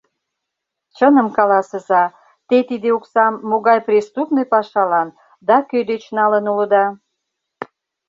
— Чыным каласыза, те тиде оксам могай преступный пашалан да кӧ деч налын улыда?